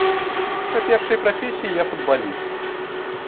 Па першай прафесіі я футбаліст.